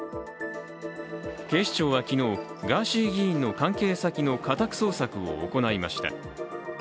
警視庁は昨日、ガーシー議員の関係先の家宅捜索を行いました。